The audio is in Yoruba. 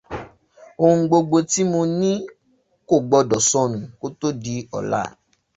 Oun gbogbo tí mo ní kò gbọdọ̀ sọnu kó tó di ọ̀la